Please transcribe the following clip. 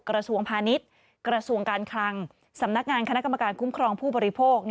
กระทรวงพาณิชย์กระทรวงการคลังสำนักงานคณะกรรมการคุ้มครองผู้บริโภค